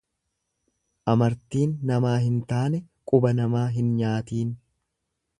Amartiin namaa hin taane quba nama hin nyaatiin.